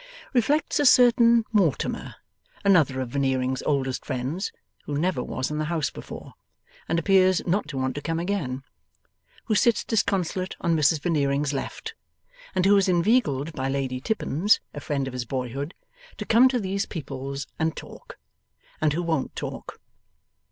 Reflects a certain 'Mortimer', another of Veneering's oldest friends; who never was in the house before, and appears not to want to come again, who sits disconsolate on Mrs Veneering's left, and who was inveigled by Lady Tippins (a friend of his boyhood) to come to these people's and talk, and who won't talk.